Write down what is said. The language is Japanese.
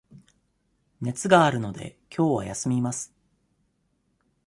熱があるので、きょうは休みます。